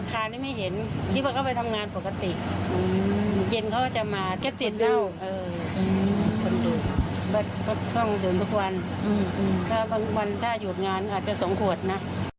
ถ้าบางวันถ้าหยุดงานอาจจะ๒ขวดนะ